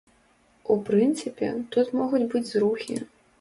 У прынцыпе, тут могуць быць зрухі.